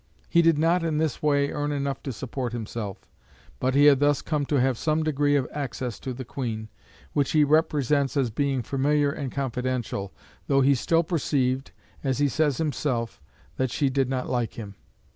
He did not in this way earn enough to support himself; but he had thus come to have some degree of access to the Queen, which he represents as being familiar and confidential, though he still perceived, as he says himself, that she did not like him.